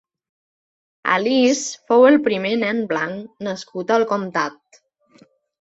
Alice fou el primer nen blanc nascut al comtat.